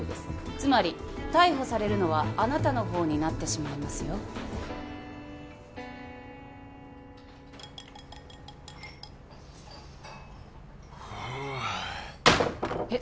つまり逮捕されるのはあなたの方になってしまいますよえっ